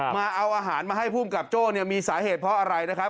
มาเอาอาหารมาให้ภูมิกับโจ้เนี่ยมีสาเหตุเพราะอะไรนะครับ